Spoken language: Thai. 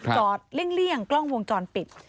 เลี่ยงกล้องวงจรปิด